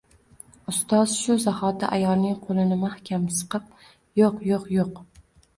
Ustoz shu zaxoti ayolning qo’lini maxkam siqib: Yo’q, yo’q, yo’q!